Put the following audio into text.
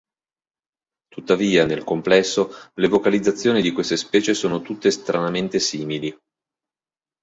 Tuttavia, nel complesso, le vocalizzazioni di queste specie sono tutte stranamente simili.